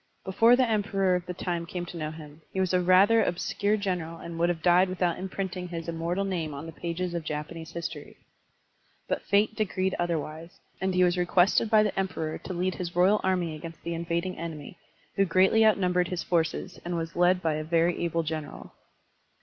Before the Emperor of the time came to know him, he was a rather obscure general and wotdd have died without imprinting his immortal name on the pages of Japanese history. But Fate decreed otherwise, and he was requested by the Emperor to lead his royal Digitized by Google 172 SERMONS OP A BUDDHIST ABBOT army against the invading enemy, who greatly outntmibered his forces and was led by a very able general.